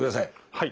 はい。